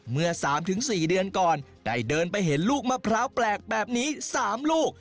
เมื่อ๓๔เดือนก่อนได้เดินไปเห็นลูกมะพร้าวแปลกแบบนี้๓ลูก